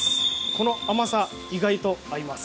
この甘さ、意外と合います。